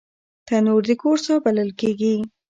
تنور د کور ساه بلل کېږي